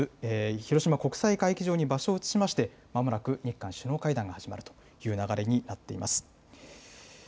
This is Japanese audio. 広島国際会議場に場所を移しまして、まもなく日韓首脳会談が始まるという流れになっています。